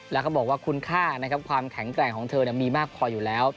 แล้วเขาบอกว่าคุณค่านะครับความแข็งแกร่งของเธอมีมากพออยู่แล้ว